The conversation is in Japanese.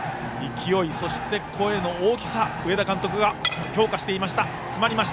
勢い、そして声の大きさ上田監督が評価していました。